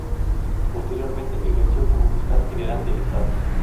Posteriormente, ejerció como Fiscal General del Estado.